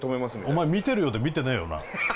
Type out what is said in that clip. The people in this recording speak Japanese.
お前見てるようで見てねえよな。